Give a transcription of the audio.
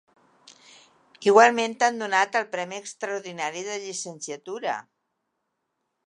Igualment t'han donat el Premi Extraordinari de Llicenciatura!